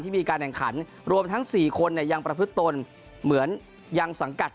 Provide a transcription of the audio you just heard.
มีการแข่งขันรวมทั้ง๔คนเนี่ยยังประพฤติตนเหมือนยังสังกัด